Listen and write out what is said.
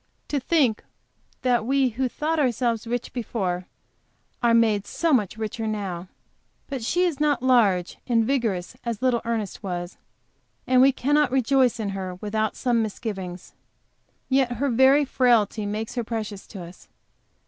To think that we, who thought ourselves rich before are made so much richer now! But she is not large and vigorous, as little Ernest was, and we cannot rejoice in her without some misgiving. Yet her very frailty makes her precious to us.